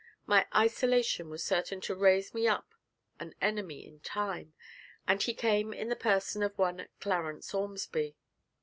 My isolation was certain to raise me up an enemy in time, and he came in the person of one Clarence Ormsby.